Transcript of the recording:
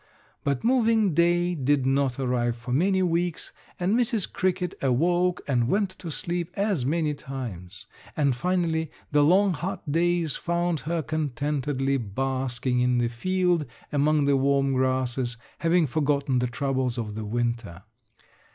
But moving day did not arrive for many weeks and Mrs. Cricket awoke and went to sleep as many times; and finally the long hot days found her contentedly basking in the field among the warm grasses, having forgotten the troubles of the winter.